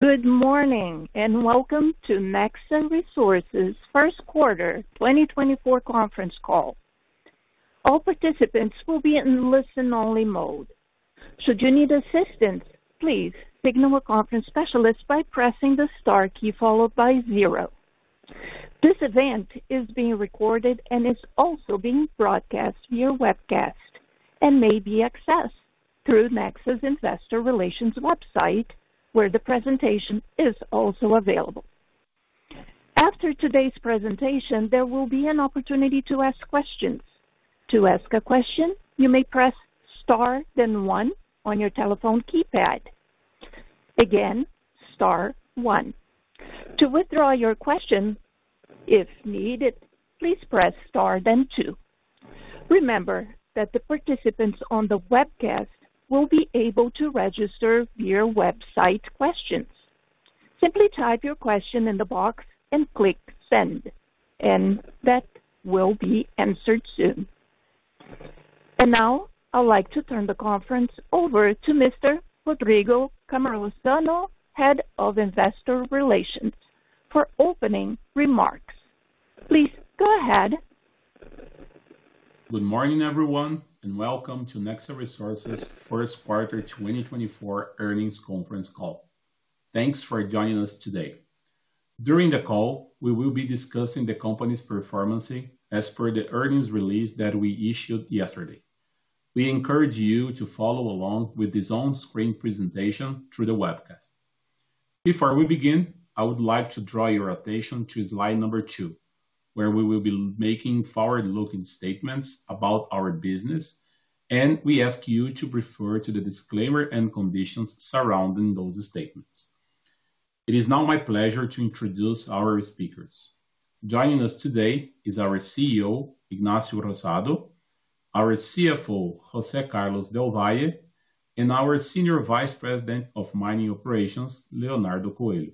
Good morning and welcome to Nexa Resources' First Quarter 2024 Conference Call. All participants will be in listen-only mode. Should you need assistance, please signal a conference specialist by pressing the star key followed by zero. This event is being recorded and is also being broadcast via webcast and may be accessed through Nexa's investor relations website, where the presentation is also available. After today's presentation, there will be an opportunity to ask questions. To ask a question, you may press star then one on your telephone keypad. Again, star one. To withdraw your question, if needed, please press star then two. Remember that the participants on the webcast will be able to register via website questions. Simply type your question in the box and click send, and that will be answered soon. Now I'd like to turn the conference over to Mr. Rodrigo Cammarosano, Head of Investor Relations, for opening remarks. Please go ahead. Good morning, everyone, and welcome to Nexa Resources' First Quarter 2024 Earnings Conference Call. Thanks for joining us today. During the call, we will be discussing the company's performance as per the earnings release that we issued yesterday. We encourage you to follow along with this on-screen presentation through the webcast. Before we begin, I would like to draw your attention to slide number two, where we will be making forward-looking statements about our business, and we ask you to refer to the disclaimer and conditions surrounding those statements. It is now my pleasure to introduce our speakers. Joining us today is our CEO, Ignacio Rosado; our CFO, José Carlos del Valle; and our Senior Vice President of Mining Operations, Leonardo Coelho.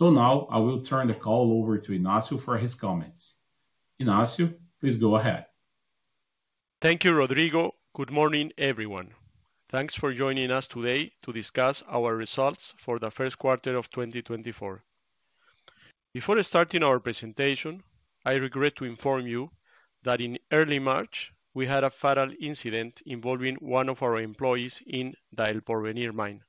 Now I will turn the call over to Ignacio for his comments. Ignacio, please go ahead. Thank you, Rodrigo. Good morning, everyone. Thanks for joining us today to discuss our Results for the First Quarter of 2024. Before starting our presentation, I regret to inform you that in early March we had a fatal incident involving one of our employees in the El Porvenir mine,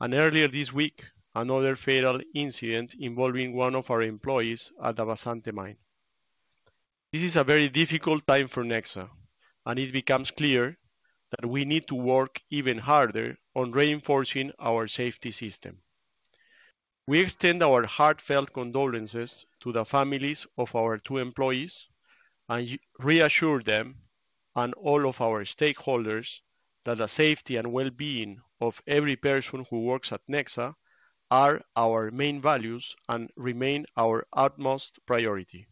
and earlier this week another fatal incident involving one of our employees at the Vazante mine. This is a very difficult time for Nexa, and it becomes clear that we need to work even harder on reinforcing our safety system. We extend our heartfelt condolences to the families of our two employees and reassure them and all of our stakeholders that the safety and well-being of every person who works at Nexa are our main values and remain our utmost priority.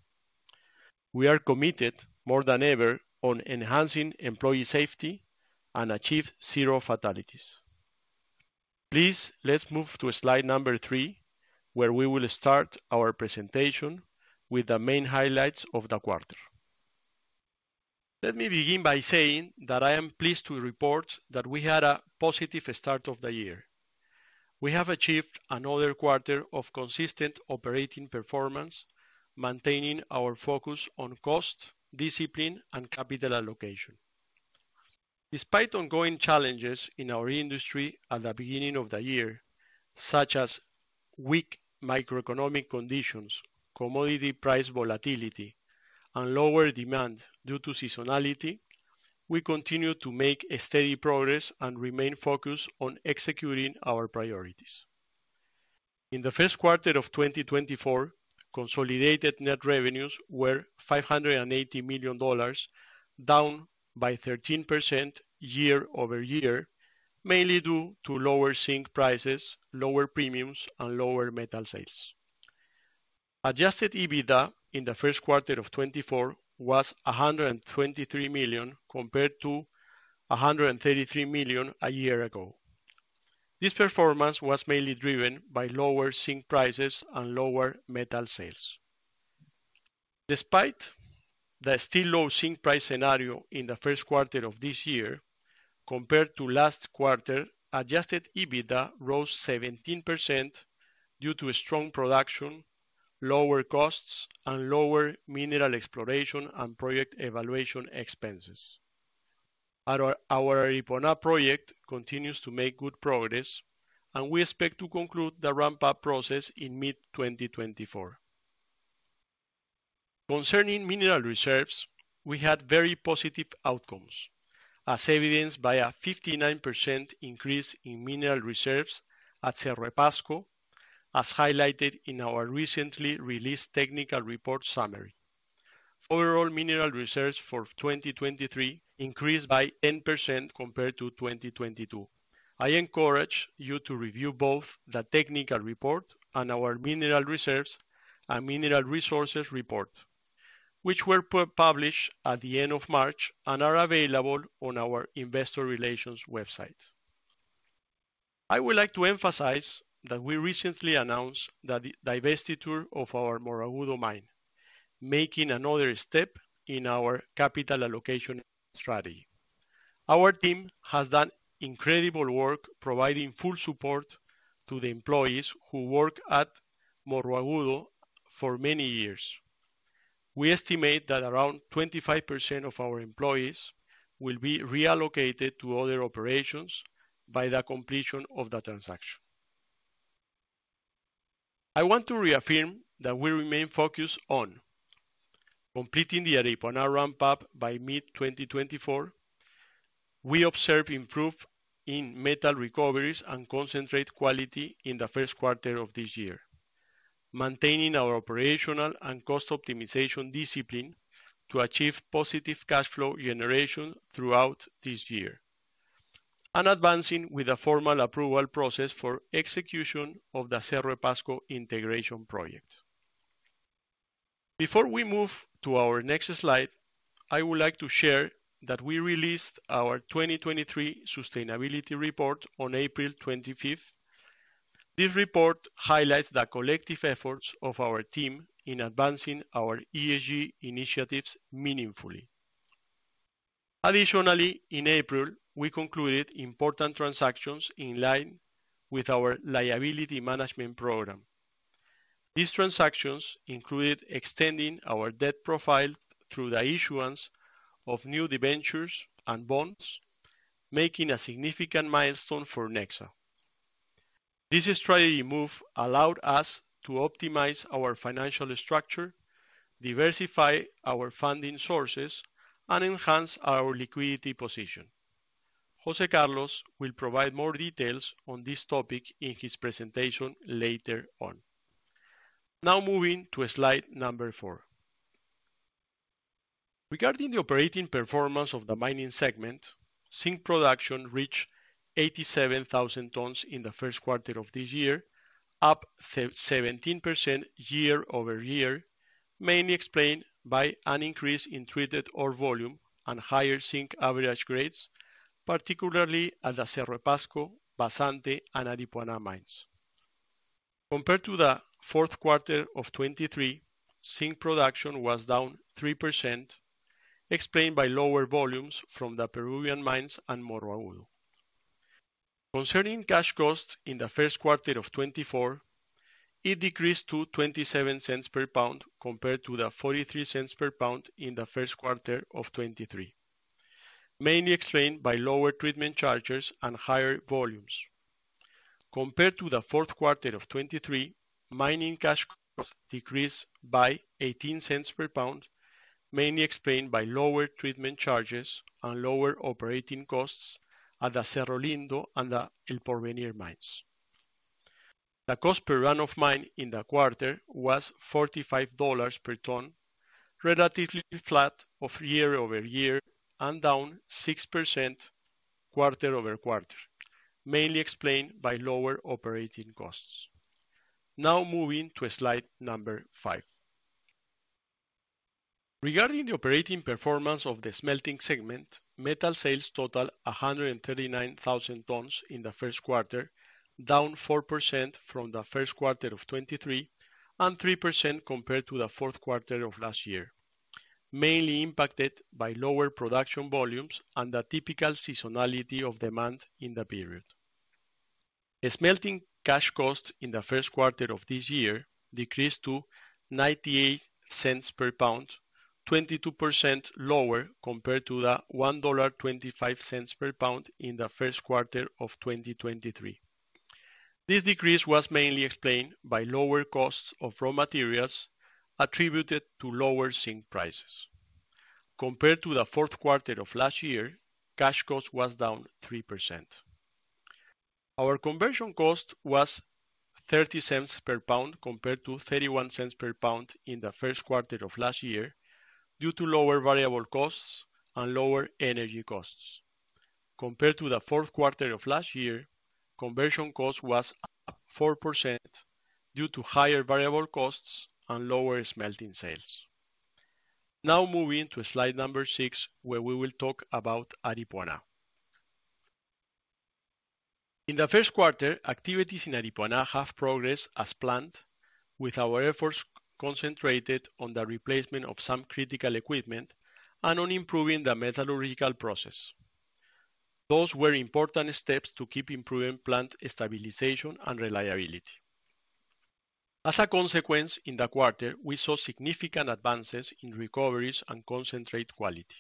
We are committed more than ever on enhancing employee safety and achieving zero fatalities. Please, let's move to slide number three, where we will start our presentation with the main highlights of the quarter. Let me begin by saying that I am pleased to report that we had a positive start of the year. We have achieved another quarter of consistent operating performance, maintaining our focus on cost, discipline, and capital allocation. Despite ongoing challenges in our industry at the beginning of the year, such as weak microeconomic conditions, commodity price volatility, and lower demand due to seasonality, we continue to make steady progress and remain focused on executing our priorities. In the first quarter of 2024, consolidated net revenues were $580 million, down by 13% year-over-year, mainly due to lower zinc prices, lower premiums, and lower metal sales. Adjusted EBITDA in the first quarter of 2024 was $123 million compared to $133 million a year ago. This performance was mainly driven by lower zinc prices and lower metal sales. Despite the still low zinc price scenario in the first quarter of this year, compared to last quarter, Adjusted EBITDA rose 17% due to strong production, lower costs, and lower mineral exploration and project evaluation expenses. Our Aripuanã project continues to make good progress, and we expect to conclude the ramp-up process in mid-2024. Concerning mineral reserves, we had very positive outcomes, as evidenced by a 59% increase in mineral reserves at Cerro Pasco, as highlighted in our recently released Technical Report Smmary. Overall mineral reserves for 2023 increased by 10% compared to 2022. I encourage you to review both the technical report and our Mineral Resources Report, which were published at the end of March and are available on our investor relations website. I would like to emphasize that we recently announced the divestiture of our Morro Agudo mine, making another step in our capital allocation strategy. Our team has done incredible work providing full support to the employees who work at Morro Agudo for many years. We estimate that around 25% of our employees will be reallocated to other operations by the completion of the transaction. I want to reaffirm that we remain focused on completing the Aripuanã ramp-up by mid-2024, we observe improvement in metal recoveries and concentrate quality in the first quarter of this year, maintaining our operational and cost optimization discipline to achieve positive cash flow generation throughout this year, and advancing with the formal approval process for execution of the Cerro Pasco Integration Project. Before we move to our next slide, I would like to share that we released our 2023 Sustainability Report on April 25. This report highlights the collective efforts of our team in advancing our ESG initiatives meaningfully. Additionally, in April, we concluded important transactions in line with our liability management program. These transactions included extending our debt profile through the issuance of new debentures and bonds, making a significant milestone for Nexa. This strategy move allowed us to optimize our financial structure, diversify our funding sources, and enhance our liquidity position. José Carlos will provide more details on this topic in his presentation later on. Now moving to slide number 4. Regarding the operating performance of the mining segment, zinc production reached 87,000 tons in the first quarter of this year, up 17% year-over-year, mainly explained by an increase in treated ore volume and higher zinc average grades, particularly at the Cerro Pasco, Vazante, and Aripuanã mines. Compared to the fourth quarter of 2023, zinc production was down 3%, explained by lower volumes from the Peruvian mines and Morro Agudo. Concerning cash costs in the first quarter of 2024, it decreased to $0.27 per pound compared to the $0.43 per pound in the first quarter of 2023, mainly explained by lower treatment charges and higher volumes. Compared to the fourth quarter of 2023, mining cash costs decreased by $0.18/lb., mainly explained by lower treatment charges and lower operating costs at the Cerro Lindo and the El Porvenir mines. The cost per run of mine in the quarter was $45 per ton, relatively flat year-over-year and down 6% quarter-over-quarter, mainly explained by lower operating costs. Now moving to slide number five. Regarding the operating performance of the smelting segment, metal sales totaled 139,000 tons in the first quarter, down 4% from the first quarter of 2023 and 3% compared to the fourth quarter of last year, mainly impacted by lower production volumes and the typical seasonality of demand in the period. Smelting cash costs in the first quarter of this year decreased to $0.98 /lb., 22% lower compared to the $1.25/lb. in the first quarter of 2023. This decrease was mainly explained by lower costs of raw materials attributed to lower zinc prices. Compared to the fourth quarter of last year, cash costs were down 3%. Our conversion cost was $0.30/lb. compared to $0.31/lb. in the first quarter of last year due to lower variable costs and lower energy costs. Compared to the fourth quarter of last year, conversion costs were up 4% due to higher variable costs and lower smelting sales. Now moving to slide number 6, where we will talk about Aripuanã. In the first quarter, activities in Aripuanã have progressed as planned, with our efforts concentrated on the replacement of some critical equipment and on improving the metallurgical process. Those were important steps to keep improving plant stabilization and reliability. As a consequence, in the quarter, we saw significant advances in recoveries and concentrate quality.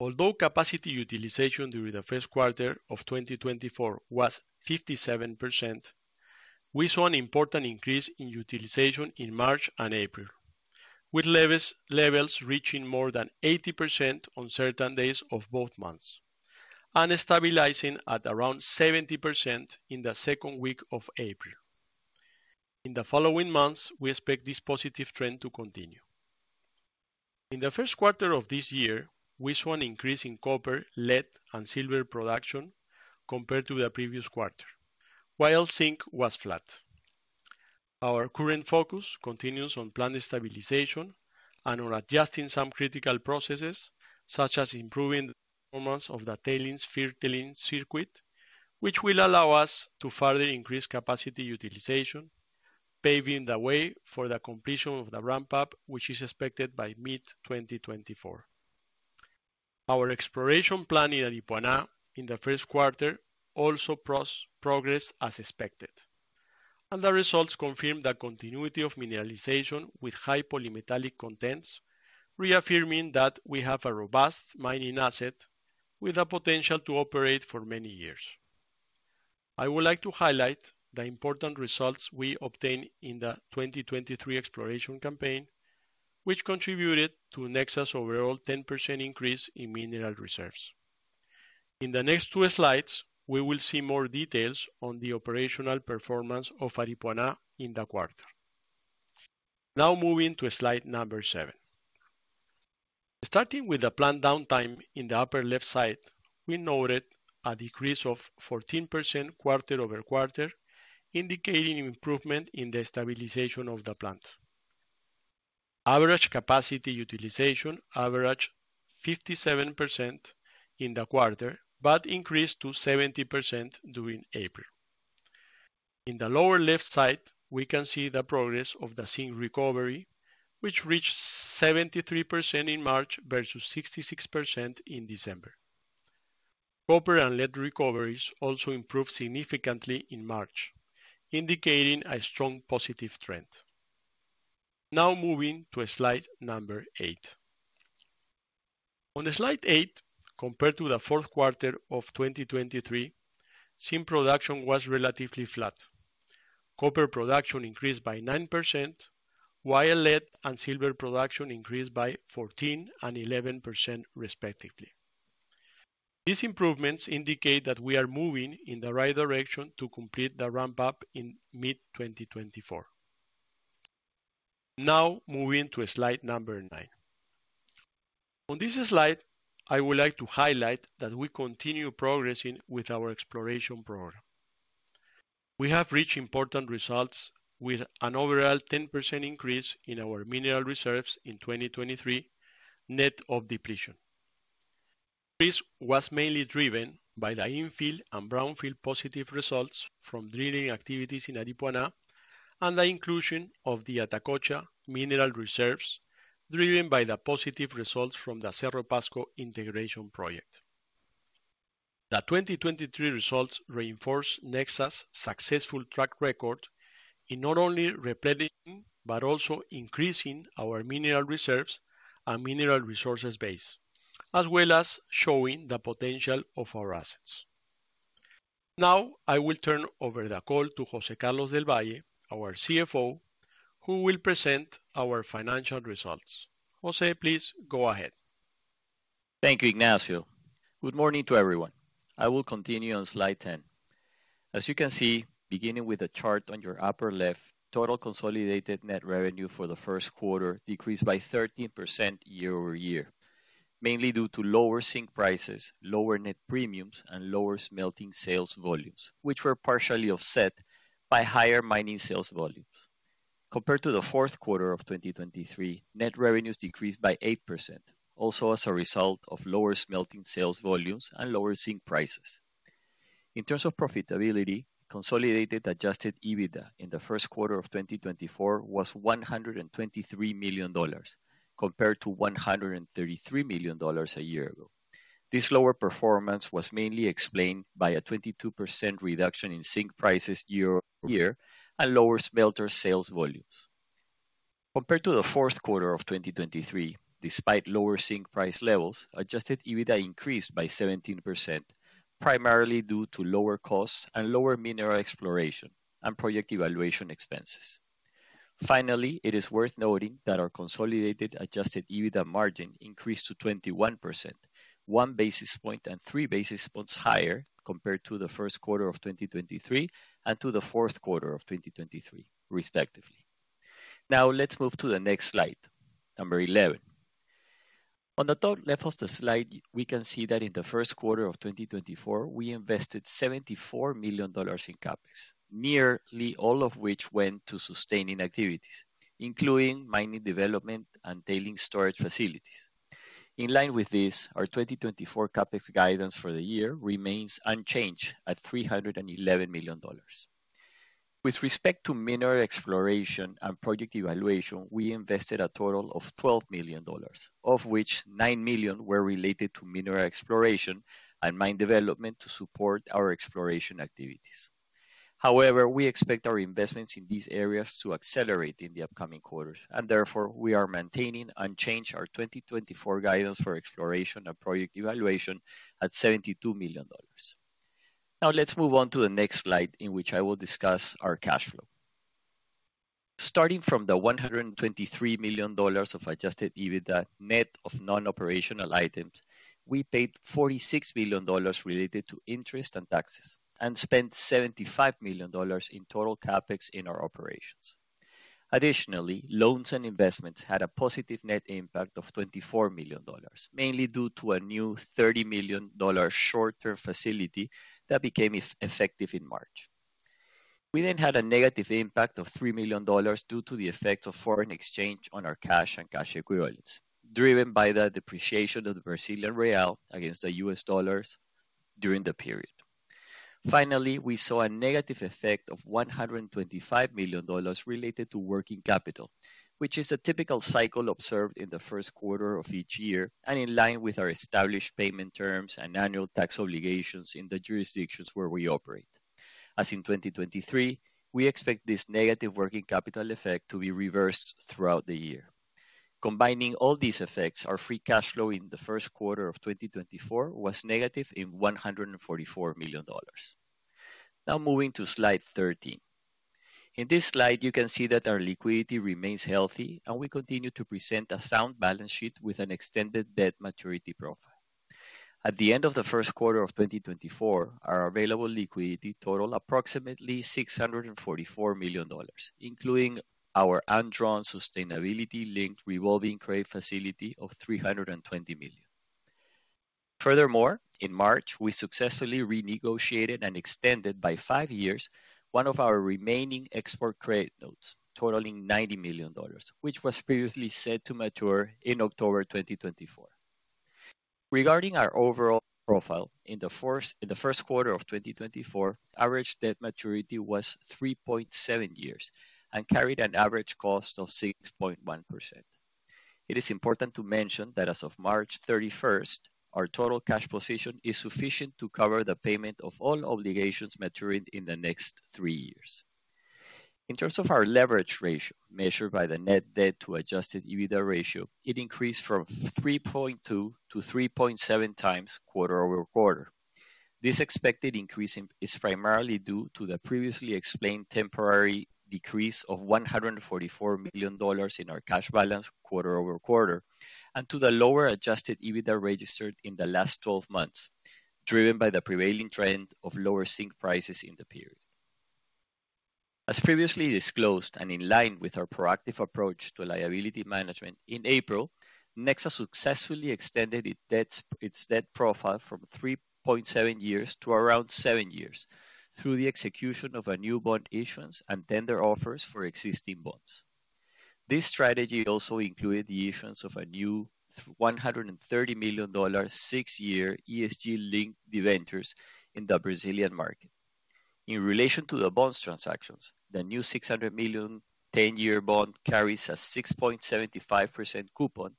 Although capacity utilization during the first quarter of 2024 was 57%, we saw an important increase in utilization in March and April, with levels reaching more than 80% on certain days of both months and stabilizing at around 70% in the second week of April. In the following months, we expect this positive trend to continue. In the first quarter of this year, we saw an increase in copper, lead, and silver production compared to the previous quarter, while zinc was flat. Our current focus continues on plant stabilization and on adjusting some critical processes, such as improving the performance of the tailings-filtering circuit, which will allow us to further increase capacity utilization, paving the way for the completion of the ramp-up, which is expected by mid-2024. Our exploration plan in Aripuanã in the first quarter also progressed as expected, and the results confirmed the continuity of mineralization with high polymetallic contents, reaffirming that we have a robust mining asset with the potential to operate for many years. I would like to highlight the important results we obtained in the 2023 exploration campaign, which contributed to Nexa's overall 10% increase in mineral reserves. In the next two slides, we will see more details on the operational performance of Aripuanã in the quarter. Now moving to slide number 7. Starting with the plant downtime in the upper left side, we noted a decrease of 14% quarter-over-quarter, indicating improvement in the stabilization of the plant: average capacity utilization averaged 57% in the quarter but increased to 70% during April. In the lower left side, we can see the progress of the zinc recovery, which reached 73% in March versus 66% in December. Copper and lead recoveries also improved significantly in March, indicating a strong positive trend. Now moving to slide number 8. On slide 8, compared to the fourth quarter of 2023, zinc production was relatively flat, copper production increased by 9%, while lead and silver production increased by 14% and 11% respectively. These improvements indicate that we are moving in the right direction to complete the ramp-up in mid-2024. Now moving to slide number 9. On this slide, I would like to highlight that we continue progressing with our exploration program. We have reached important results, with an overall 10% increase in our mineral reserves in 2023, net of depletion. This increase was mainly driven by the infill and brownfield positive results from drilling activities in Aripuanã and the inclusion of the Atacocha mineral reserves, driven by the positive results from the Cerro Pasco integration project. The 2023 results reinforce Nexa's successful track record in not only replenishing but also increasing our mineral reserves and mineral resources base, as well as showing the potential of our assets. Now I will turn over the call to José Carlos del Valle, our CFO, who will present our financial results. José, please go ahead. Thank you, Ignacio. Good morning to everyone. I will continue on slide 10. As you can see, beginning with the chart on your upper left, total consolidated net revenue for the first quarter decreased by 13% year-over-year, mainly due to lower zinc prices, lower net premiums, and lower smelting sales volumes, which were partially offset by higher mining sales volumes. Compared to the fourth quarter of 2023, net revenues decreased by 8%, also as a result of lower smelting sales volumes and lower zinc prices. In terms of profitability, consolidated Adjusted EBITDA in the first quarter of 2024 was $123 million compared to $133 million a year ago. This lower performance was mainly explained by a 22% reduction in zinc prices year-over-year and lower smelter sales volumes. Compared to the fourth quarter of 2023, despite lower zinc price levels, Adjusted EBITDA increased by 17%, primarily due to lower costs and lower mineral exploration and project evaluation expenses. Finally, it is worth noting that our consolidated adjusted EBITDA margin increased to 21%, one basis point and three basis points higher compared to the first quarter of 2023 and to the fourth quarter of 2023, respectively. Now let's move to the next slide, number 11. On the top left of the slide, we can see that in the first quarter of 2024, we invested $74 million in CAPEX, nearly all of which went to sustaining activities, including mining development and tailings storage facilities. In line with this, our 2024 CAPEX guidance for the year remains unchanged at $311 million. With respect to mineral exploration and project evaluation, we invested a total of $12 million, of which $9 million were related to mineral exploration and mine development to support our exploration activities. However, we expect our investments in these areas to accelerate in the upcoming quarters, and therefore, we are maintaining unchanged our 2024 guidance for exploration and project evaluation at $72 million. Now let's move on to the next slide, in which I will discuss our cash flow. Starting from the $123 million of Adjusted EBITDA net of non-operational items, we paid $46 million related to interest and taxes, and spent $75 million in total CAPEX in our operations. Additionally, loans and investments had a positive net impact of $24 million, mainly due to a new $30 million short-term facility that became effective in March. We then had a negative impact of $3 million due to the effects of foreign exchange on our cash and cash equivalents, driven by the depreciation of the Brazilian real against the U.S. dollar during the period. Finally, we saw a negative effect of $125 million related to working capital, which is a typical cycle observed in the first quarter of each year and in line with our established payment terms and annual tax obligations in the jurisdictions where we operate. As in 2023, we expect this negative working capital effect to be reversed throughout the year. Combining all these effects, our free cash flow in the first quarter of 2024 was negative $144 million. Now moving to slide 13. In this slide, you can see that our liquidity remains healthy, and we continue to present a sound balance sheet with an extended debt maturity profile. At the end of the first quarter of 2024, our available liquidity totaled approximately $644 million, including our undrawn sustainability-linked revolving credit facility of $320 million. Furthermore, in March, we successfully renegotiated and extended by five years one of our remaining export credit notes, totaling $90 million, which was previously set to mature in October 2024. Regarding our overall profile, in the first quarter of 2024, average debt maturity was 3.7 years and carried an average cost of 6.1%. It is important to mention that as of March 31st, our total cash position is sufficient to cover the payment of all obligations maturing in the next three years. In terms of our leverage ratio, measured by the net debt-to-Adjusted EBITDA ratio, it increased from 3.2-3.7 times quarter-over-quarter. This expected increase is primarily due to the previously explained temporary decrease of $144 million in our cash balance quarter-over-quarter and to the lower Adjusted EBITDA registered in the last 12 months, driven by the prevailing trend of lower zinc prices in the period. As previously disclosed and in line with our proactive approach to liability management in April, Nexa successfully extended its debt profile from 3.7 years to around 7 years through the execution of new bond issuance and tender offers for existing bonds. This strategy also included the issuance of a new $130 million 6-year ESG-linked debentures in the Brazilian market. In relation to the bonds transactions, the new $600 million 10-year bond carries a 6.75% coupon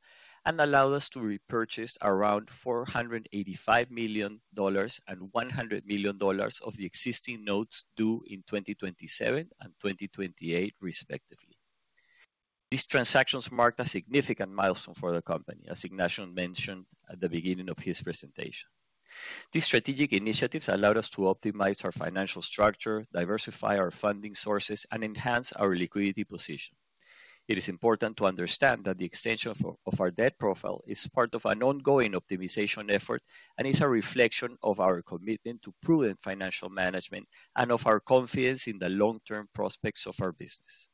and allowed us to repurchase around $485 million and $100 million of the existing notes due in 2027 and 2028, respectively. These transactions marked a significant milestone for the company, as Ignacio mentioned at the beginning of his presentation. These strategic initiatives allowed us to optimize our financial structure, diversify our funding sources, and enhance our liquidity position. It is important to understand that the extension of our debt profile is part of an ongoing optimization effort and is a reflection of our commitment to prudent financial management and of our confidence in the long-term prospects of our business.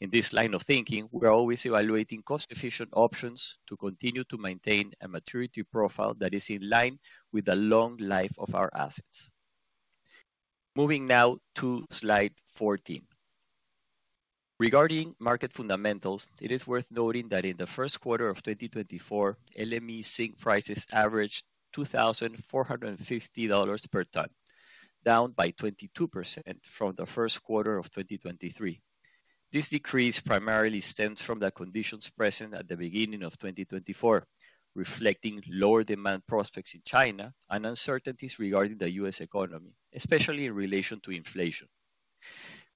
In this line of thinking, we are always evaluating cost-efficient options to continue to maintain a maturity profile that is in line with the long life of our assets. Moving now to slide 14. Regarding market fundamentals, it is worth noting that in the first quarter of 2024, LME zinc prices averaged $2,450 per ton, down by 22% from the first quarter of 2023. This decrease primarily stems from the conditions present at the beginning of 2024, reflecting lower demand prospects in China and uncertainties regarding the U.S. economy, especially in relation to inflation.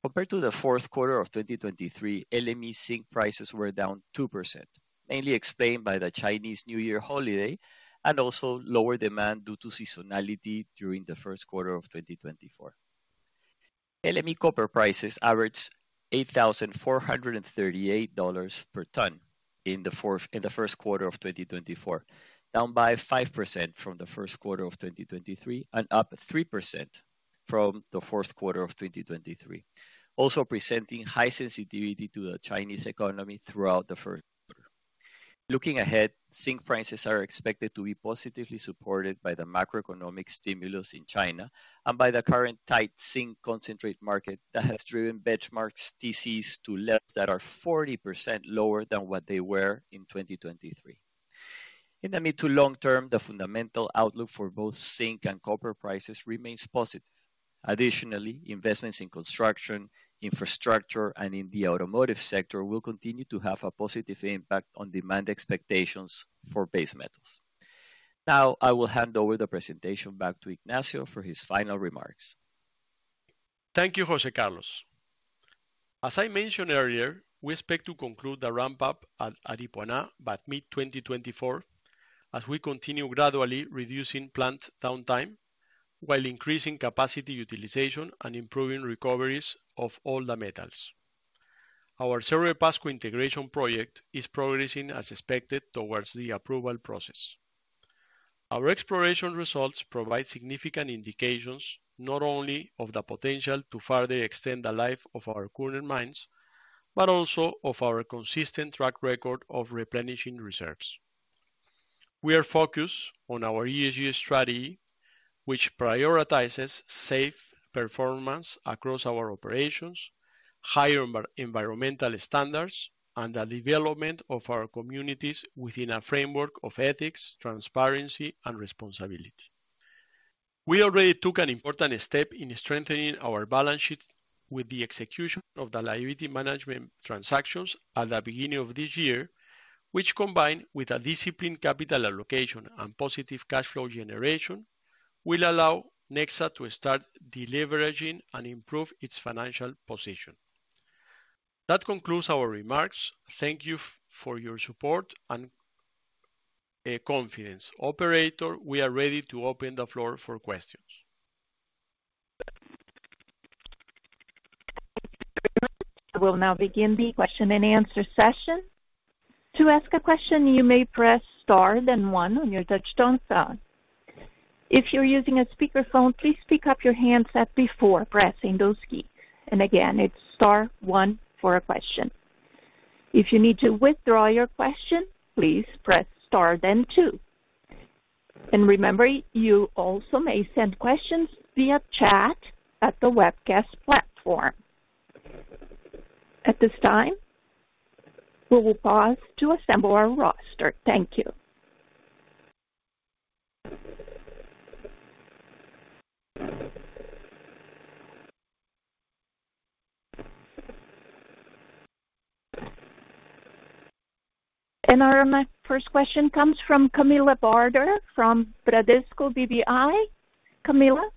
Compared to the fourth quarter of 2023, LME zinc prices were down 2%, mainly explained by the Chinese New Year holiday and also lower demand due to seasonality during the first quarter of 2024. LME copper prices averaged $8,438 per ton in the first quarter of 2024, down by 5% from the first quarter of 2023 and up 3% from the fourth quarter of 2023, also presenting high sensitivity to the Chinese economy throughout the first quarter. Looking ahead, zinc prices are expected to be positively supported by the macroeconomic stimulus in China and by the current tight zinc concentrate market that has driven benchmarks TCs to levels that are 40% lower than what they were in 2023. In the mid to long term, the fundamental outlook for both zinc and copper prices remains positive. Additionally, investments in construction, infrastructure, and in the automotive sector will continue to have a positive impact on demand expectations for base metals. Now I will hand over the presentation back to Ignacio for his final remarks. Thank you, José Carlos. As I mentioned earlier, we expect to conclude the ramp-up at Aripuanã by mid-2024 as we continue gradually reducing plant downtime while increasing capacity utilization and improving recoveries of all the metals. Our Cerro Pasco integration project is progressing as expected towards the approval process. Our exploration results provide significant indications not only of the potential to further extend the life of our current mines but also of our consistent track record of replenishing reserves. We are focused on our ESG strategy, which prioritizes safe performance across our operations, higher environmental standards, and the development of our communities within a framework of ethics, transparency, and responsibility. We already took an important step in strengthening our balance sheet with the execution of the liability management transactions at the beginning of this year, which, combined with a disciplined capital allocation and positive cash flow generation, will allow Nexa to start deleveraging and improve its financial position. That concludes our remarks. Thank you for your support and confidence. Operator, we are ready to open the floor for questions. Thank you. We will now begin the question-and-answer session. To ask a question, you may press star then one on your touchtone phone. If you're using a speakerphone, please pick up your handset before pressing those keys. And again, it's star one for a question. If you need to withdraw your question, please press star then two. And remember, you also may send questions via chat at the webcast platform. At this time, we will pause to assemble our roster. Thank you. And our first question comes from Camilla Barder from Bradesco BBI. Camilla,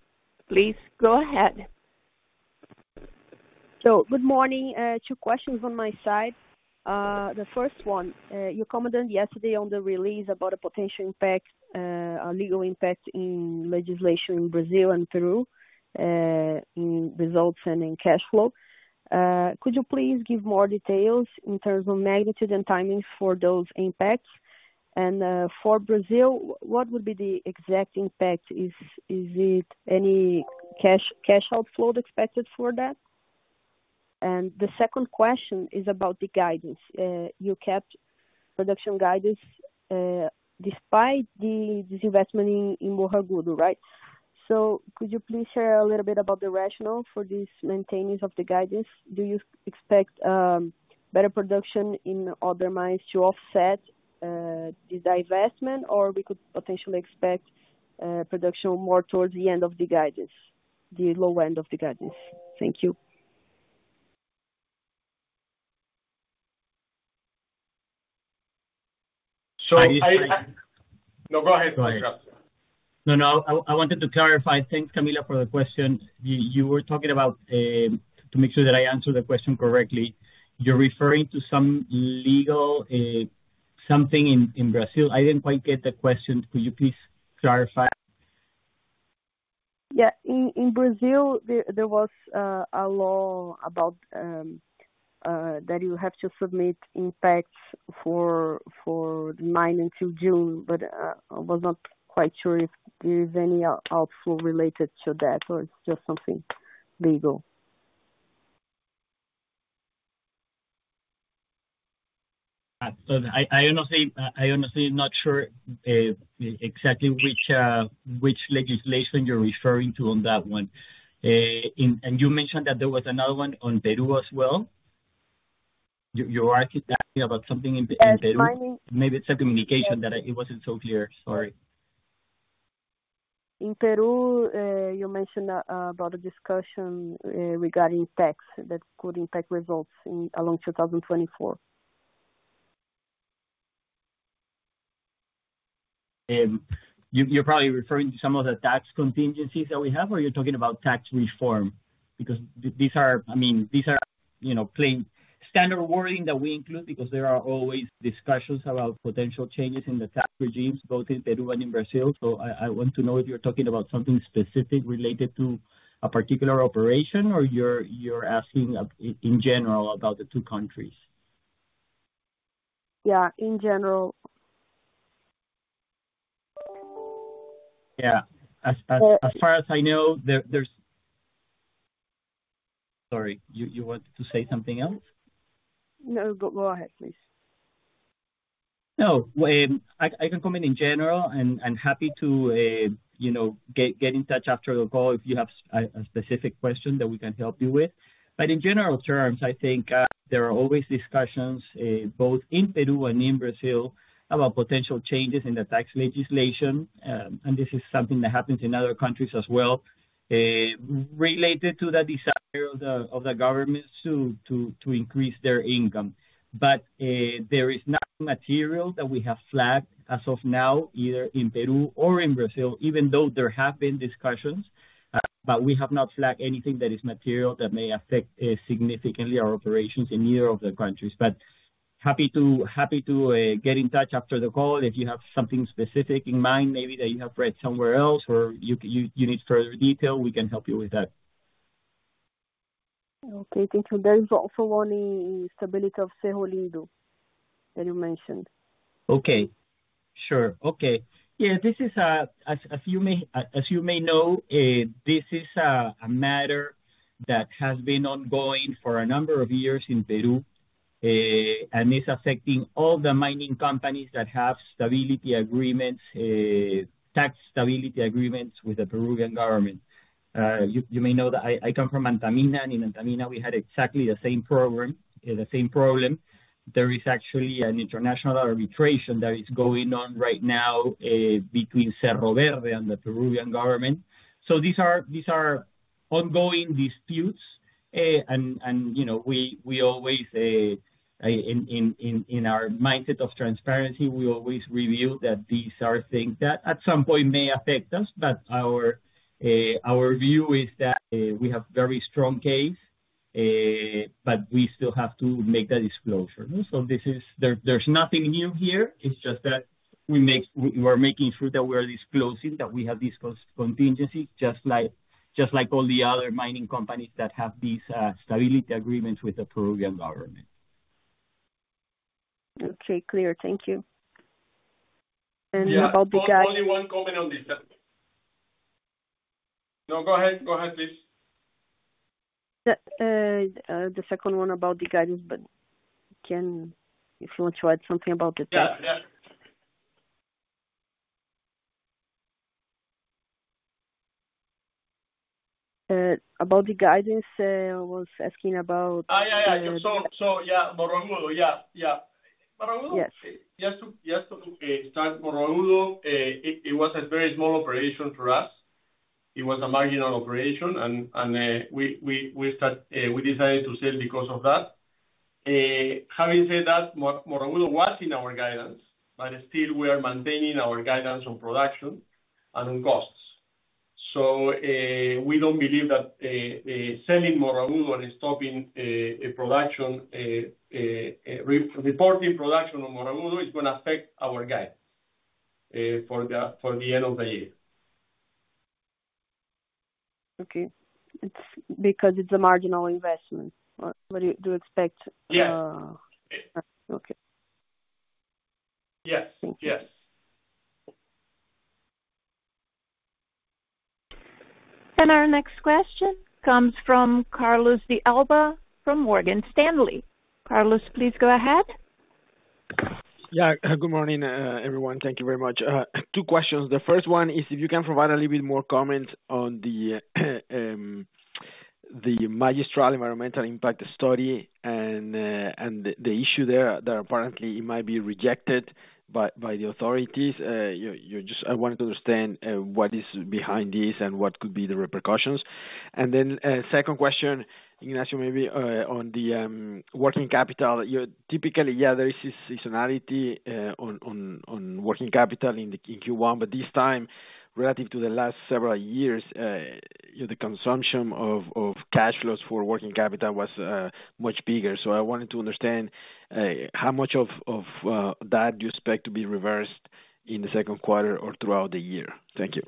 please go ahead. So, good morning. Two questions on my side. The first one, you commented yesterday on the release about a potential legal impact in legislation in Brazil and Peru in results and in cash flow. Could you please give more details in terms of magnitude and timing for those impacts? And for Brazil, what would be the exact impact? Is it any cash outflow expected for that? And the second question is about the guidance. You kept production guidance despite the disinvestment in Morro Agudo, right? So, could you please share a little bit about the rationale for this maintenance of the guidance? Do you expect better production in other mines to offset the divestment, or we could potentially expect production more towards the end of the guidance, the low end of the guidance? Thank you. So no, go ahead, Mr. No, no. I wanted to clarify things, Camilla, for the question. You were talking about to make sure that I answer the question correctly, you're referring to some legal something in Brazil. I didn't quite get the question. Could you please clarify? Yeah. In Brazil, there was a law that you have to submit impacts for the mine until June, but I was not quite sure if there is any outflow related to that or it's just something legal. I honestly am not sure exactly which legislation you're referring to on that one. You mentioned that there was another one on Peru as well. You're asking about something in Peru? Maybe it's a communication that it wasn't so clear. Sorry. In Peru, you mentioned about a discussion regarding tax that could impact results along 2024. You're probably referring to some of the tax contingencies that we have, or you're talking about tax reform? Because these are, I mean, these are standard wording that we include because there are always discussions about potential changes in the tax regimes, both in Peru and in Brazil. So I want to know if you're talking about something specific related to a particular operation, or you're asking in general about the two countries? Yeah, in general. Yeah. As far as I know, there's—sorry, you wanted to say something else? No, go ahead, please. No, I can comment in general, and happy to get in touch after the call if you have a specific question that we can help you with. But in general terms, I think there are always discussions both in Peru and in Brazil about potential changes in the tax legislation, and this is something that happens in other countries as well, related to the desire of the governments to increase their income. But there is nothing material that we have flagged as of now, either in Peru or in Brazil, even though there have been discussions, but we have not flagged anything that is material that may affect significantly our operations in either of the countries. But happy to get in touch after the call if you have something specific in mind, maybe that you have read somewhere else or you need further detail. We can help you with that. Okay. Thank you. There is also one in the stability of Cerro Lindo, that you mentioned. Okay. Sure. Okay. Yeah, as you may know, this is a matter that has been ongoing for a number of years in Peru and is affecting all the mining companies that have tax stability agreements with the Peruvian government. You may know that I come from Antamina. In Antamina, we had exactly the same problem. There is actually an international arbitration that is going on right now between Cerro Verde and the Peruvian government. So, these are ongoing disputes, and we always, in our mindset of transparency, we always review that these are things that at some point may affect us. But our view is that we have a very strong case, but we still have to make the disclosure. So, there's nothing new here. It's just that we are making sure that we are disclosing that we have these contingencies, just like all the other mining companies that have these stability agreements with the Peruvian government. Okay. Clear. Thank you. And about the guidance. Yeah. Only one comment on this. No, go ahead. Go ahead, please. The second one about the guidance, but if you want to add something about the tax. Yeah. Yeah. About the guidance, I was asking about. Yeah, yeah, yeah. So, yeah, Morro Agudo. Yeah, yeah. Morro Agudo? Yes. Just to start, Morro Agudo, it was a very small operation for us. It was a marginal operation, and we decided to sell because of that. Having said that, Morro Agudo was in our guidance, but still, we are maintaining our guidance on production and on costs. So, we don't believe that selling Morro Agudo and stopping reporting production on Morro Agudo is going to affect our guidance for the end of the year. Okay. Because it's a marginal investment, do you expect? Yeah. Okay. Yes. Yes. And our next question comes from Carlos de Alba from Morgan Stanley. Carlos, please go ahead. Yeah. Good morning, everyone. Thank you very much. Two questions. The first one is if you can provide a little bit more comments on the Magistral environmental impact study and the issue there that apparently it might be rejected by the authorities. I wanted to understand what is behind this and what could be the repercussions. And then second question, Ignacio, maybe on the working capital. Typically, yeah, there is seasonality on working capital in Q1, but this time, relative to the last several years, the consumption of cash flows for working capital was much bigger. So, I wanted to understand how much of that you expect to be reversed in the second quarter or throughout the year. Thank you.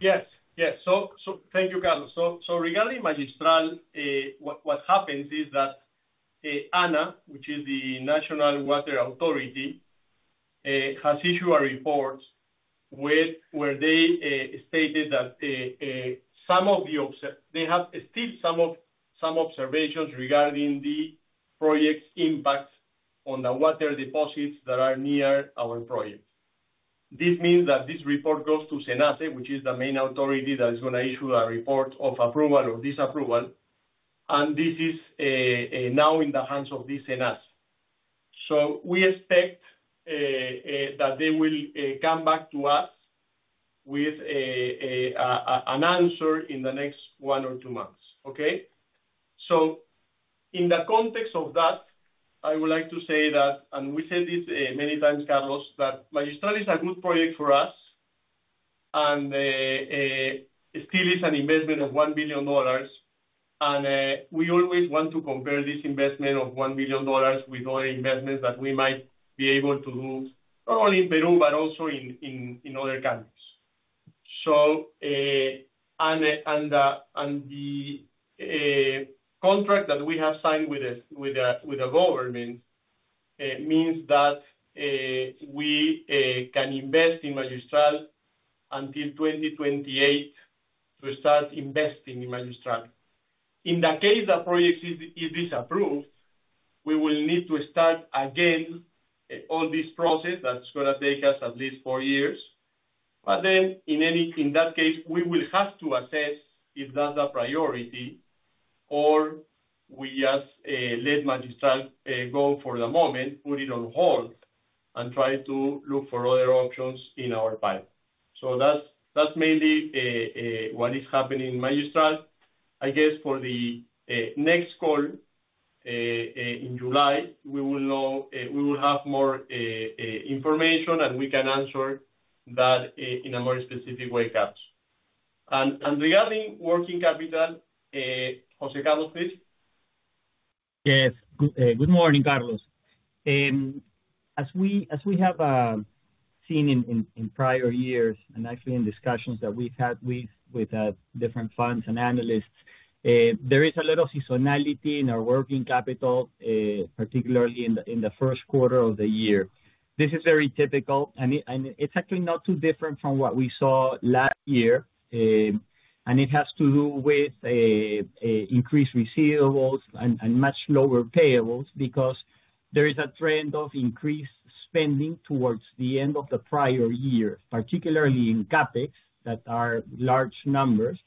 Yes. Yes. So thank you, Carlos. So, regarding Magistral, what happens is that ANA, which is the National Water Authority, has issued a report where they stated that some of the they have still some observations regarding the project's impacts on the water deposits that are near our project. This means that this report goes to SENACE, which is the main authority that is going to issue a report of approval or disapproval, and this is now in the hands of the SENACE. So, we expect that they will come back to us with an answer in the next one or two months, okay? So, in the context of that, I would like to say that and we said this many times, Carlos, that Magistral is a good project for us and still is an investment of $1 billion. We always want to compare this investment of $1 billion with other investments that we might be able to do not only in Peru but also in other countries. The contract that we have signed with the government means that we can invest in Magistral until 2028 to start investing in Magistral. In the case that project is disapproved, we will need to start again all this process that's going to take us at least four years. But then, in that case, we will have to assess if that's a priority or we just let Magistral go for the moment, put it on hold, and try to look for other options in our pipe. So, that's mainly what is happening in Magistral. I guess for the next call in July, we will have more information, and we can answer that in a more specific way perhaps. And regarding working capital, José Carlos, please. Yes. Good morning, Carlos. As we have seen in prior years and actually in discussions that we've had with different funds and analysts, there is a lot of seasonality in our working capital, particularly in the first quarter of the year. This is very typical, and it's actually not too different from what we saw last year. It has to do with increased receivables and much lower payables because there is a trend of increased spending towards the end of the prior year, particularly in CAPEX, that are large numbers.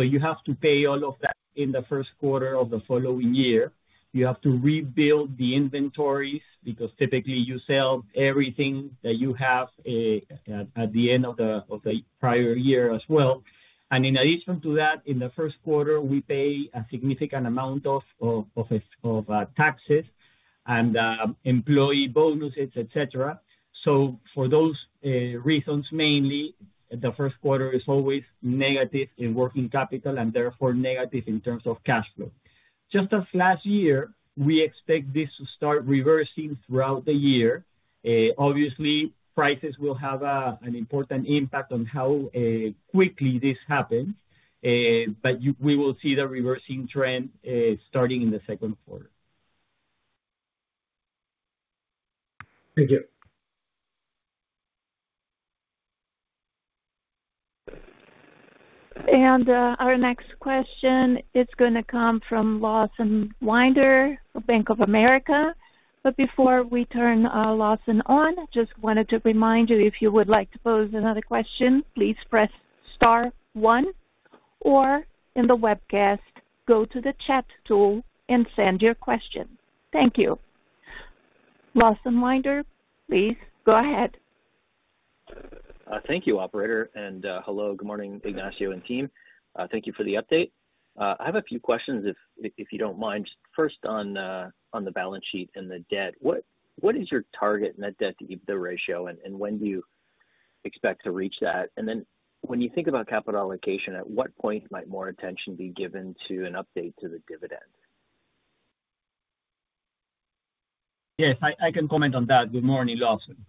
So, you have to pay all of that in the first quarter of the following year. You have to rebuild the inventories because typically, you sell everything that you have at the end of the prior year as well. And in addition to that, in the first quarter, we pay a significant amount of taxes and employee bonuses, etc. So, for those reasons, mainly, the first quarter is always negative in working capital and therefore negative in terms of cash flow. Just as last year, we expect this to start reversing throughout the year. Obviously, prices will have an important impact on how quickly this happens, but we will see the reversing trend starting in the second quarter. Thank you. And our next question, it's going to come from Lawson Winder of Bank of America. But before we turn Lawson on, just wanted to remind you, if you would like to pose another question, please press star 1, or in the webcast, go to the chat tool and send your question. Thank you. Lawson Winder, please go ahead. Thank you, operator. And hello. Good morning, Ignacio and team. Thank you for the update. I have a few questions, if you don't mind. First, on the balance sheet and the debt, what is your target net debt-to-EBITDA ratio, and when do you expect to reach that? Then when you think about capital allocation, at what point might more attention be given to an update to the dividend? Yes. I can comment on that. Good morning, Lawson.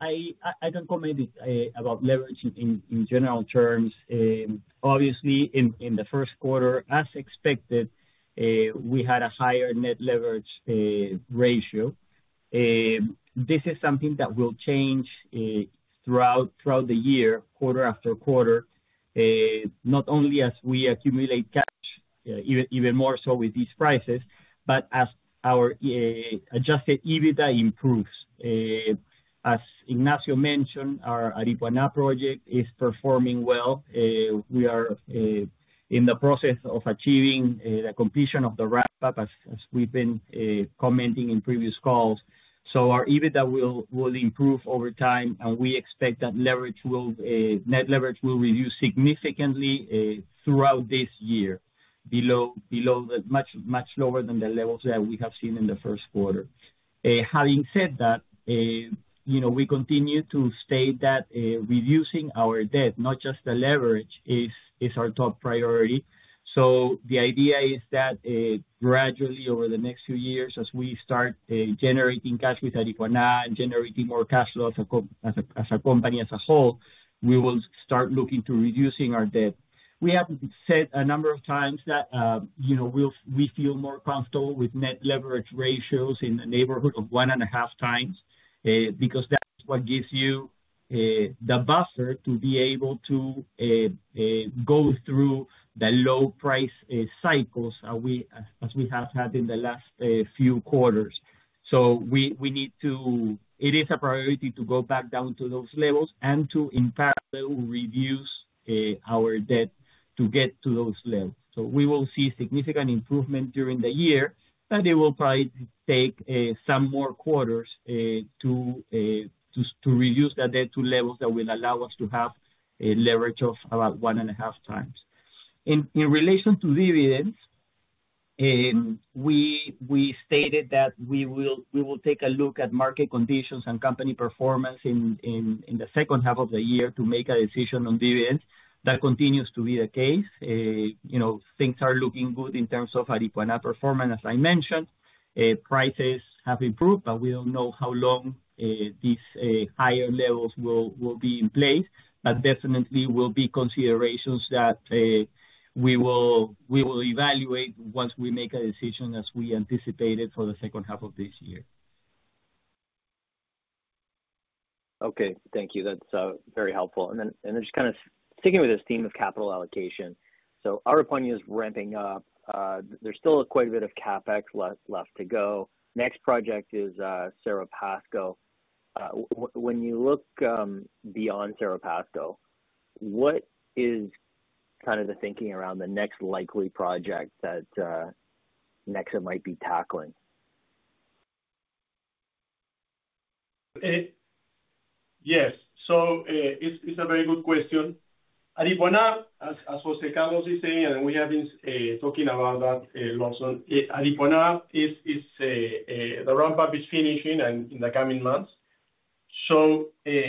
I can comment about leverage in general terms. Obviously, in the first quarter, as expected, we had a higher net leverage ratio. This is something that will change throughout the year, quarter after quarter, not only as we accumulate cash, even more so with these prices, but as our Adjusted EBITDA improves. As Ignacio mentioned, our Aripuanã project is performing well. We are in the process of achieving the completion of the ramp-up, as we've been commenting in previous calls. So, our EBITDA will improve over time, and we expect that net leverage will reduce significantly throughout this year, much lower than the levels that we have seen in the first quarter. Having said that, we continue to state that reducing our debt, not just the leverage, is our top priority. So, the idea is that gradually, over the next few years, as we start generating cash with Aripuanã and generating more cash flows as a company as a whole, we will start looking to reducing our debt. We have said a number of times that we feel more comfortable with net leverage ratios in the neighborhood of 1.5 times because that's what gives you the buffer to be able to go through the low-price cycles as we have had in the last few quarters. So, it is a priority to go back down to those levels and to, in parallel, reduce our debt to get to those levels. So, we will see significant improvement during the year, but it will probably take some more quarters to reduce that debt to levels that will allow us to have leverage of about 1.5 times. In relation to dividends, we stated that we will take a look at market conditions and company performance in the second half of the year to make a decision on dividends. That continues to be the case. Things are looking good in terms of Aripuanã performance, as I mentioned. Prices have improved, but we don't know how long these higher levels will be in place. But definitely, it will be considerations that we will evaluate once we make a decision as we anticipated for the second half of this year. Okay. Thank you. That's very helpful. And then just kind of sticking with this theme of capital allocation, so our opinion is ramping up. There's still quite a bit of CAPEX left to go. Next project is Cerro Pasco. When you look beyond Cerro Pasco, what is kind of the thinking around the next likely project that Nexa might be tackling? Yes. So it's a very good question. Aripuanã, as José Carlos is saying, and we have been talking about that, Lawson, Aripuanã is the ramp-up is finishing in the coming months. So,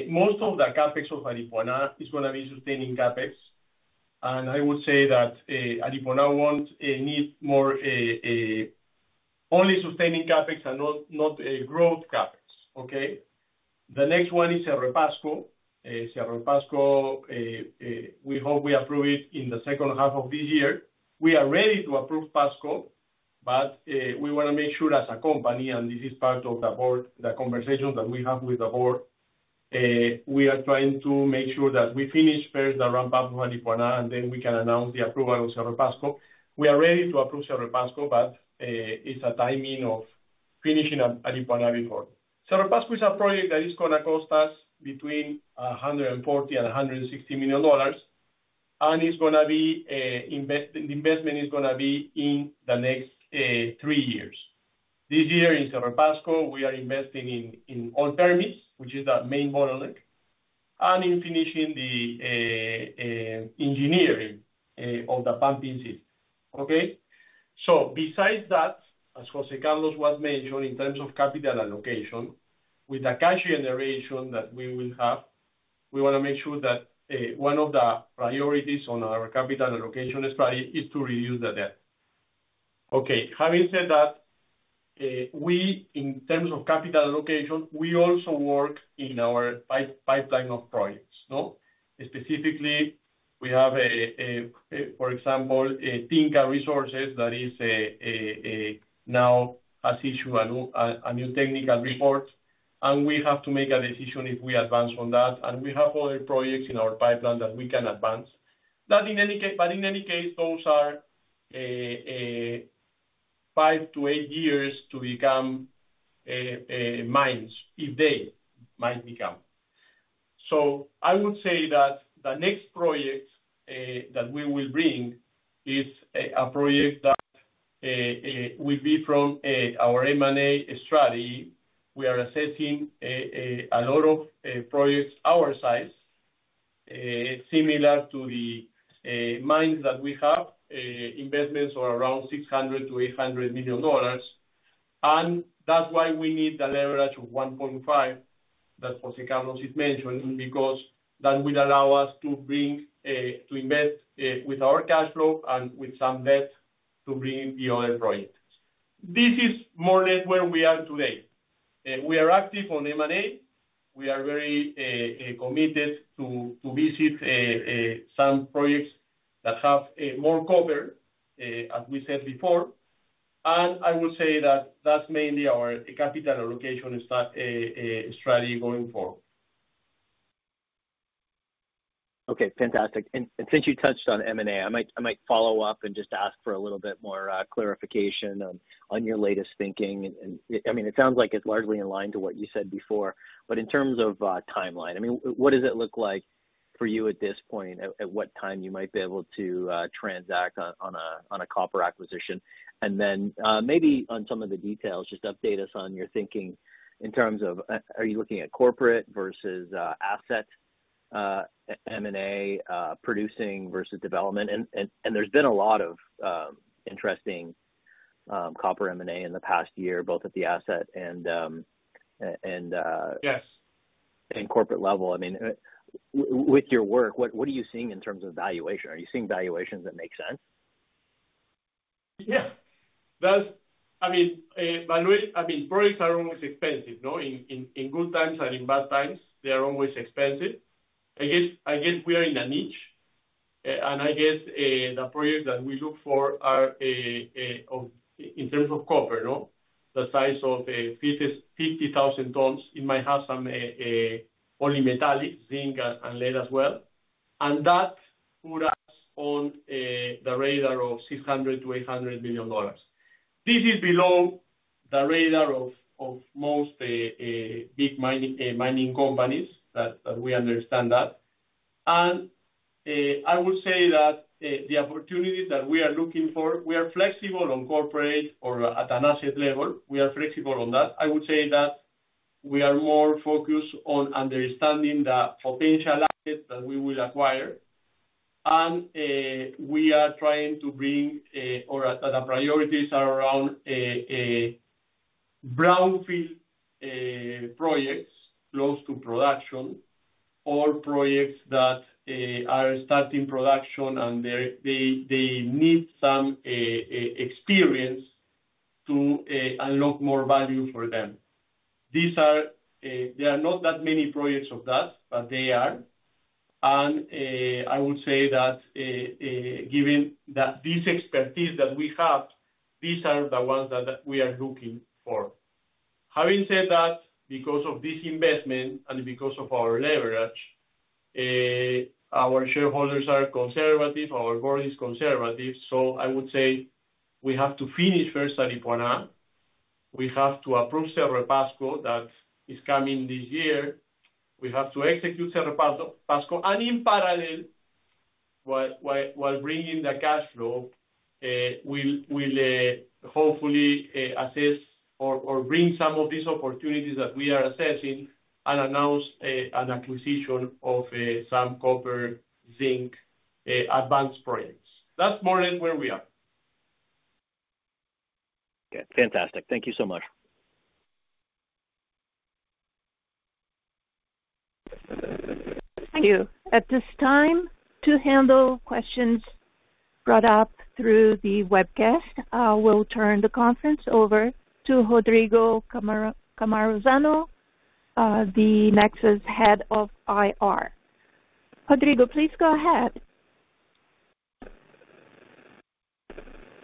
most of the CAPEX of Aripuanã is going to be sustaining CAPEX. And I would say that Aripuanã won't need more only sustaining CAPEX and not growth CAPEX, okay? The next one is Cerro Pasco. Cerro Pasco, we hope we approve it in the second half of this year. We are ready to approve Pasco, but we want to make sure, as a company, and this is part of the conversations that we have with the board, we are trying to make sure that we finish first the ramp-up of Aripuanã, and then we can announce the approval of Cerro Pasco. We are ready to approve Cerro Pasco, but it's a timing of finishing Aripuanã before. Cerro Pasco is a project that is going to cost us between $140 million and $160 million, and the investment is going to be in the next three years. This year, in Cerro Pasco, we are investing in all permits, which is the main bottleneck, and in finishing the engineering of the pumping system, okay? So, besides that, as José Carlos was mentioning, in terms of capital allocation, with the cash generation that we will have, we want to make sure that one of the priorities on our capital allocation study is to reduce the debt. Okay. Having said that, in terms of capital allocation, we also work in our pipeline of projects. Specifically, we have, for example, Tinka Resources that now has issued a new technical report, and we have to make a decision if we advance on that. And we have other projects in our pipeline that we can advance. But in any case, those are 5-8 years to become mines, if they might become. So I would say that the next project that we will bring is a project that will be from our M&A strategy. We are assessing a lot of projects our size, similar to the mines that we have, investments of around $600 million-$800 million. And that's why we need the leverage of 1.5 that José Carlos is mentioning, because that will allow us to invest with our cash flow and with some debt to bring the other projects. This is more or less where we are today. We are active on M&A. We are very committed to visit some projects that have more cover, as we said before. And I would say that that's mainly our capital allocation strategy going forward. Okay. Fantastic. And since you touched on M&A, I might follow up and just ask for a little bit more clarification on your latest thinking. I mean, it sounds like it's largely in line to what you said before. But in terms of timeline, I mean, what does it look like for you at this point, at what time you might be able to transact on a copper acquisition? And then maybe on some of the details, just update us on your thinking in terms of are you looking at corporate versus asset M&A producing versus development? And there's been a lot of interesting copper M&A in the past year, both at the asset and corporate level. I mean, with your work, what are you seeing in terms of valuation? Are you seeing valuations that make sense? Yeah. I mean, projects are always expensive. In good times and in bad times, they are always expensive. I guess we are in a niche. And I guess the projects that we look for are in terms of copper, the size of 50,000 tons. It might have some polymetallics, zinc, and lead as well. That put us on the radar of $600 million-$800 million. This is below the radar of most big mining companies that we understand that. I would say that the opportunities that we are looking for, we are flexible on corporate or at an asset level. We are flexible on that. I would say that we are more focused on understanding the potential assets that we will acquire. We are trying to bring or the priorities are around brownfield projects close to production or projects that are starting production, and they need some experience to unlock more value for them. There are not that many projects of that, but they are. I would say that given this expertise that we have, these are the ones that we are looking for. Having said that, because of this investment and because of our leverage, our shareholders are conservative. Our board is conservative. So, I would say we have to finish first Aripuanã. We have to approve Cerro Pasco that is coming this year. We have to execute Cerro Pasco. And in parallel, while bringing the cash flow, we'll hopefully assess or bring some of these opportunities that we are assessing and announce an acquisition of some copper-zinc advanced projects. That's more or less where we are. Yeah. Fantastic. Thank you so much. Thank you. At this time. To handle questions brought up through the webcast, we'll turn the conference over to Rodrigo Cammarosano, the Nexa's Head of IR. Rodrigo, please go ahead.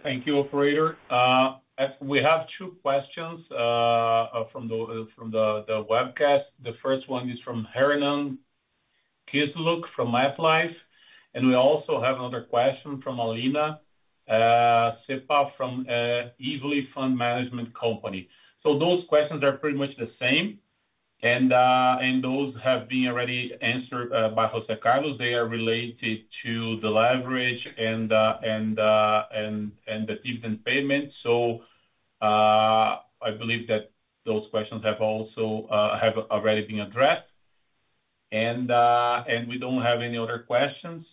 Thank you, Operator. We have two questions from the webcast. The first one is from Hernan Kisluk from MetLife. We also have another question from Alina Sepa from Easily Fund Management Company. Those questions are pretty much the same, and those have been already answered by José Carlos. They are related to the leverage and the dividend payment. I believe that those questions have already been addressed. We don't have any other questions.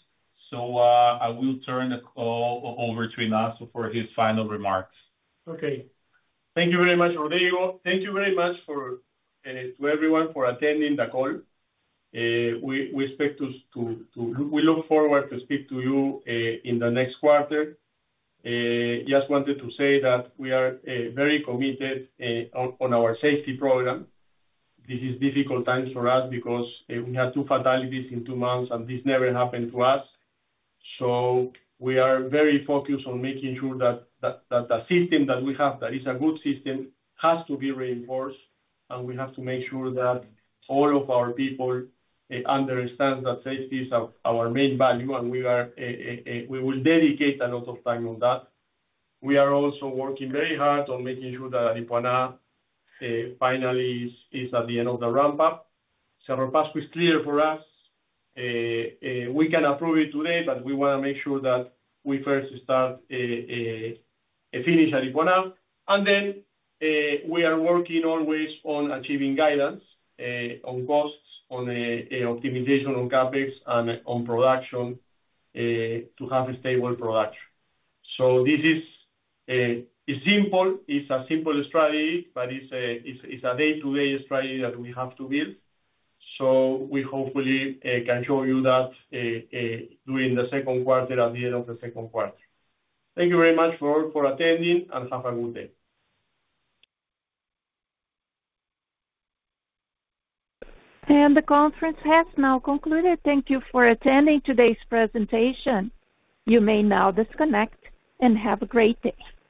I will turn the call over to Ignacio for his final remarks. Okay. Thank you very much, Rodrigo. Thank you very much to everyone for attending the call. We look forward to speak to you in the next quarter. Just wanted to say that we are very committed on our safety program. This is a difficult time for us because we had two fatalities in two months, and this never happened to us. So, we are very focused on making sure that the system that we have, that is a good system, has to be reinforced. We have to make sure that all of our people understand that safety is our main value, and we will dedicate a lot of time on that. We are also working very hard on making sure that Aripuanã finally is at the end of the ramp-up. Cerro Pasco is clear for us. We can approve it today, but we want to make sure that we first finish Aripuanã. Then we are working always on achieving guidance on costs, on optimization on CAPEX, and on production to have a stable production. So it's a simple strategy, but it's a day-to-day strategy that we have to build. So we hopefully can show you that during the second quarter, at the end of the second quarter. Thank you very much for attending, and have a good day. The conference has now concluded. Thank you for attending today's presentation. You may now disconnect and have a great day.